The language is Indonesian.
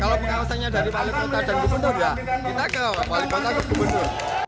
kalau bukan usahanya dari balik kota dan gubendul ya kita ke balik kota dan gubendul